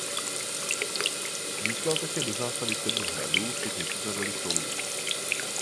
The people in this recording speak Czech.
Získal také do zástavy sedm hradů včetně citadely v Toulouse.